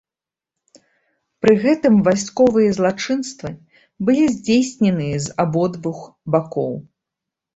Пры гэтым вайсковыя злачынствы былі здзейсненыя з абодвух бакоў.